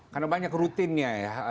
karena banyak rutinnya ya